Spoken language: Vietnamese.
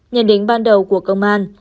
nhận đính ban đầu của công an